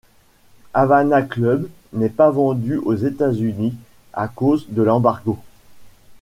Havana Club n'est pas vendu aux États-Unis à cause de l'embargo.